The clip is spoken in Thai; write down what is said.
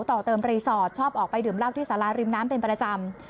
ต่อเติมรีสอร์ทชอบออกไปดื่มเหล้าที่สาราริมน้ำเป็นประจำ